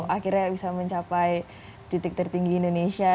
akhirnya bisa mencapai titik tertinggi indonesia